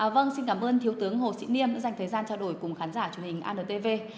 vâng xin cảm ơn thiếu tướng hồ sĩ niêm đã dành thời gian trao đổi cùng khán giả truyền hình antv